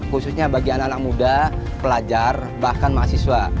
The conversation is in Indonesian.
khususnya bagi anak anak muda pelajar bahkan mahasiswa